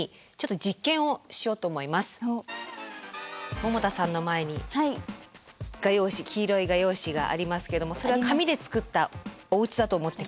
百田さんの前に黄色い画用紙がありますけどもそれは紙で作ったおうちだと思って下さい。